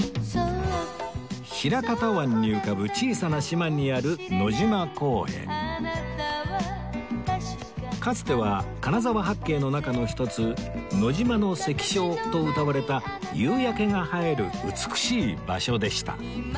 平潟湾に浮かぶ小さな島にあるかつては『金沢八景』の中の一つ『野島夕照』とうたわれた夕焼けが映える美しい場所でした